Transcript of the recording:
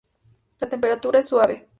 La temperatura es suave.